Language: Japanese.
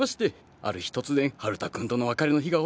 ある日突然春太くんとの別れの日が訪れたんです。